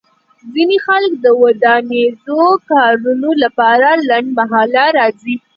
ځینې خلک د ودانیزو کارونو لپاره لنډمهاله راځي